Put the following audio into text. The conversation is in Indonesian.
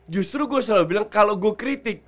justru gue selalu bilang kalau gue kritik